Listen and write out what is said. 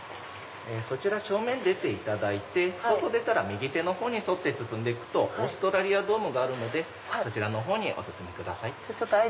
そちら正面出ていただいて外出たら右手のほうに沿って進んで行くとオーストラリアドームがあるのでそちらのほうにお進みください。